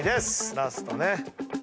ラストね。